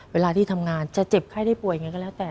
เวลาที่ทำงานจะเจ็บไข้ได้ป่วยยังไงก็แล้วแต่